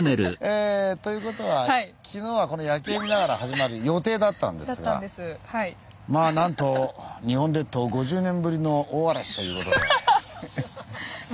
えということは昨日はこの夜景見ながら始まる予定だったんですがまあなんと日本列島５０年ぶりの大嵐ということで。